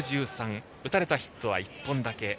打たれたヒットは１本だけ。